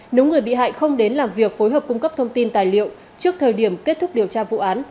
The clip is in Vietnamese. nếu người bị hại không đến làm việc phối hợp cung cấp thông tin tài liệu trước thời điểm kết thúc điều tra vụ án